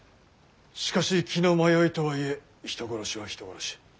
しかし気の迷いとはいえ人殺しは人殺し。